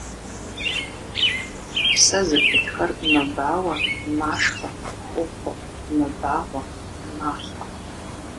Псэ зыпытхэр мэбауэ, машхэ, хохъуэ, мэбагъуэ, малӀэ.